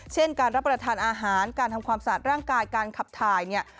เช่นการรับประทานอาหารการทำความสะอาดร่างกายการขับถ่ายเนี่ย